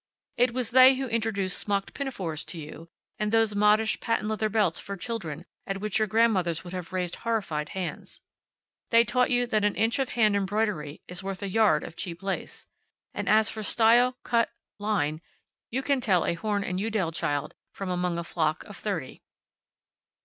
It was they who introduced smocked pinafores to you; and those modish patent leather belts for children at which your grandmothers would have raised horrified hands. They taught you that an inch of hand embroidery is worth a yard of cheap lace. And as for style, cut, line you can tell a Horn & Udell child from among a flock of thirty.